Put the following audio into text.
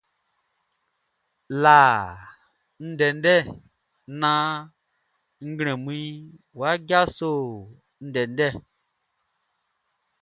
La ndɛndɛ naan nglɛmunʼn wʼa djaso ndɛndɛ.